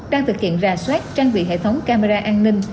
đang thực hiện rà soát trang bị hệ thống camera an ninh